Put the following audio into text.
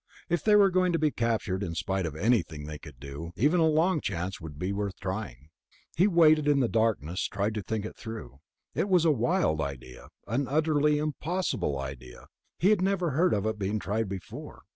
If they were going to be captured in spite of anything they could do, even a long chance would be worth trying.... He waited in the darkness, tried to think it through. It was a wild idea, an utterly impossible idea, he had never heard of it being tried before